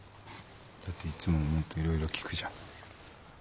だっていつももっといろいろ聞くじゃん。